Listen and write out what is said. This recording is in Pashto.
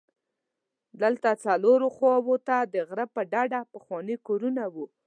دلته څلورو خواوو ته د غره په ډډه پخواني کورونه وو.